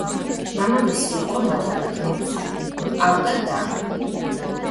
მამამისი იყო მათემატიკოსი, ჰყავდა და.